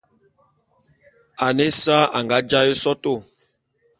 Ane ésa anga jaé sotô.